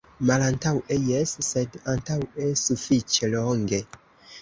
Malantaŭe, jes, sed antaŭe sufiĉe longe.